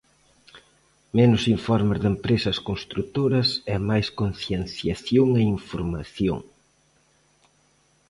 Menos informes de empresas construtoras e máis concienciación e información.